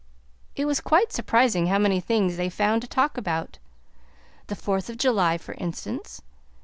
It was quite surprising how many things they found to talk about the Fourth of July, for instance.